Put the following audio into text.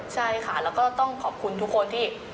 ใช่ค่ะแล้วก็ต้องขอบคุณทุกคนที่